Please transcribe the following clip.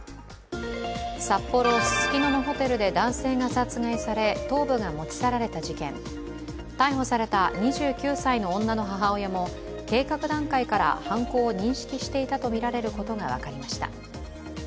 札幌・ススキノのホテルで男性が殺害され頭部が持ち去られた事件、逮捕された２９歳の女の母親も計画段階から犯行を認識していたとみられることが分かりました。